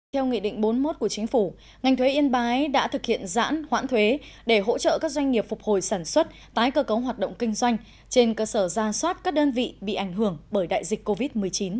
theo nghị định bốn mươi một của chính phủ ngành thuế yên bái đã thực hiện giãn hoãn thuế để hỗ trợ các doanh nghiệp phục hồi sản xuất tái cơ cấu hoạt động kinh doanh trên cơ sở ra soát các đơn vị bị ảnh hưởng bởi đại dịch covid một mươi chín